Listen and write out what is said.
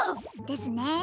ですね